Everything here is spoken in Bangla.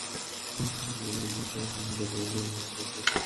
রাজধানীর শাহবাগ মোড়ে এখন যেকোনো পথচারীর দৃষ্টি আকর্ষণ করছে ত্রিকোণ একটি স্থাপনা।